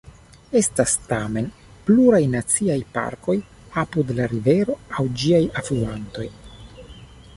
Estas tamen pluraj naciaj parkoj apud la rivero aŭ ĝiaj alfluantoj.